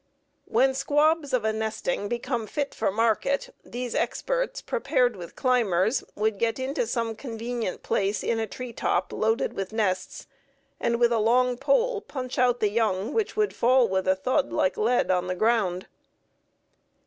When squabs of a nesting became fit for market, these experts, prepared with climbers, would get into some convenient place in a tree top loaded with nests, and with a long pole punch out the young, which would fall with a thud like lead on the ground.